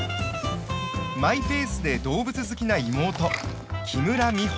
マイペースで動物好きな妹木村美穂。